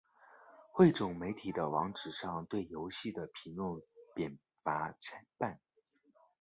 汇总媒体的网址上对游戏的评论褒贬参半。